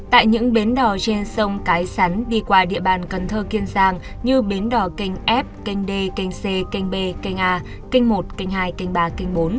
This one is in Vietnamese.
tại những bến đò trên sông cái sắn đi qua địa bàn cần thơ kiên giang như bến đò kênh f kênh d kênh c kênh b kênh a kênh một kênh hai kênh ba kênh bốn